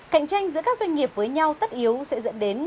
cạnh tranh giữa các doanh nghiệp với nhau tất yếu sẽ dẫn đến